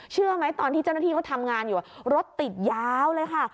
เชื่อไหมตอนที่เจ้าหน้าที่เขาทำงานอยู่รถติดยาวเลยค่ะ